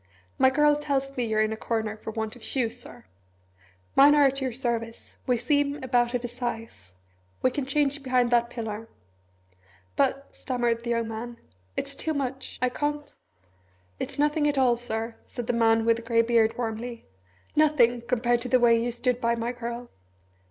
"My girl tells me you're in a corner for want of shoes, Sir. Mine are at your service we seem about of a size we can change behind that pillar." "But," stammered the young man, "it's too much I can't " "It's nothing at all, Sir," said the man with the grey beard warmly; "nothing compared to the way you stood by my girl!